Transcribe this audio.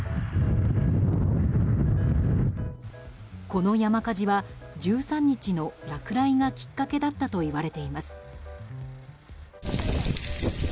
この山火事は１３日の落雷がきっかけだったといわれています。